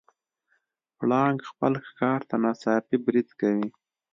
پړانګ خپل ښکار ته ناڅاپي برید کوي.